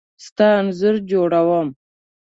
ستا انځور جوړوم .